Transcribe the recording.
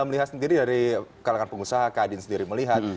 melihat sendiri dari kalangan pengusaha kak adin sendiri melihat